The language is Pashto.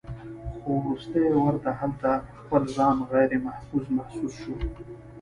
خو وروستو ورته هلته خپل ځان غيرمحفوظ محسوس شو